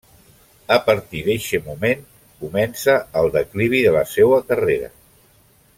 A partir d'eixe moment comença el declivi de la seua carrera.